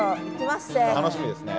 楽しみですね。